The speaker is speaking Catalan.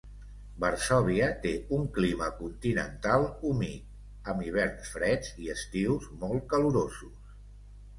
Varsòvia té un clima continental humit, amb hiverns freds i estius molt calorosos.